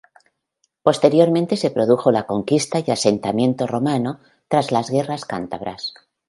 Posteriormente se produjo la conquista y asentamiento romano tras las guerras cántabras.